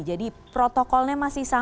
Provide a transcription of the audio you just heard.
jadi protokolnya masih ada